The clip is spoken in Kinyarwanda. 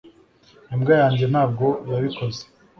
imbwa yanjye ntabwo yabikoze